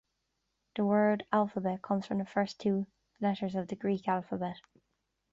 The word "alphabet" comes from the first two letters of the Greek alphabet.